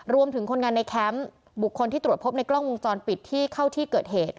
คนงานในแคมป์บุคคลที่ตรวจพบในกล้องวงจรปิดที่เข้าที่เกิดเหตุ